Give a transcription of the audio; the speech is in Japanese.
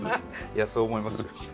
いやそう思います。